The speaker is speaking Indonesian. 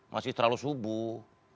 masih terlalu subuh